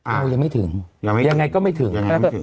อ้าวยังไม่ถึงยังไม่ถึงยังไงก็ไม่ถึงยังไงไม่ถึง